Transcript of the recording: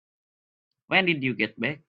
When did you get back?